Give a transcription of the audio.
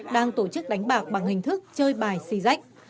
đang tổ chức đánh bạc bằng hình thức chơi bài xì rách